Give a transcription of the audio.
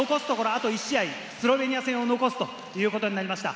あと１試合、スロベニア戦を残すということになりました。